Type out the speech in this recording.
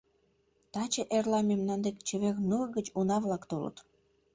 Таче-эрла мемнан дек «Чевер нур» гыч уна-влак толыт.